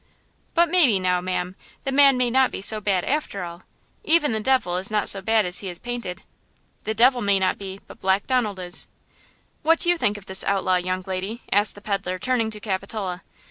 "But maybe, now, ma'am, the man may not be so bad, after all? Even the devil is not so bad as he is painted." "The devil may not be, but Black Donald is!" "What do you think of this outlaw, young lady?" asked the peddler, turning to Capitola.